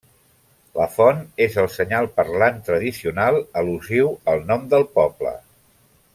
La font és el senyal parlant tradicional, al·lusiu al nom del poble.